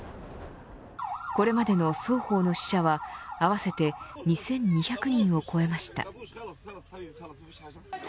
これまでの双方の死者は合わせて２２００人を超えました。